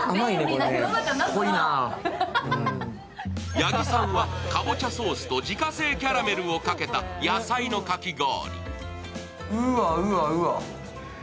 八木さんはかぼちゃソースと自家製キャラメルをかけた野菜のかき氷。